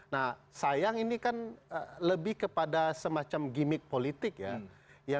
nah sayang ini kan lebih kepada semacam gimmick politik ya